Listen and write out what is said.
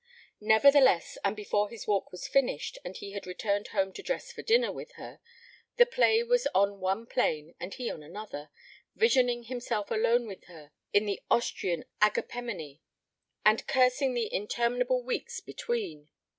Nevertheless, and before his walk was finished and he had returned home to dress for dinner with her, the play was on one plane and he on another, visioning himself alone with her in the Austrian agapemone. And cursing the interminable weeks between.